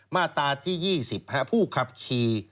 มาตราที่๒๐ผู้ขับขี่